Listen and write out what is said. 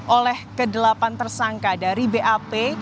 oleh kedelapan tersangka dari bap